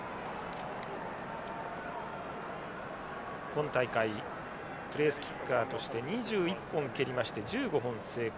今大会プレースキッカーとして２１本蹴りまして１５本成功。